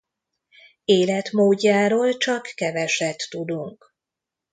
Életmódjáról csak keveset tudunk.